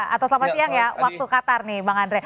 atau selamat siang ya waktu qatar nih bang andre